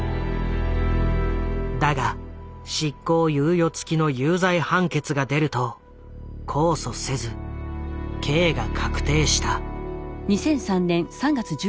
だが執行猶予付きの有罪判決が出ると控訴せず刑が確定した。